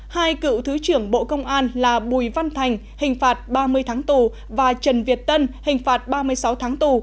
hai cựu thứ trưởng bộ công an là bùi văn thành hình phạt ba mươi tháng tù và trần việt tân hình phạt ba mươi sáu tháng tù